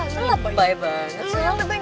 ya lah boy ngapain orang yang dikasih gue udah pegang